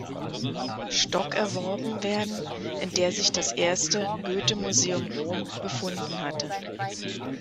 Stock erworben werden, in der sich das erste "Goethe Museum Rom" befunden hatte.